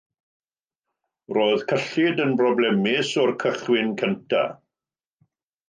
Roedd cyllid yn broblemus o'r cychwyn cyntaf.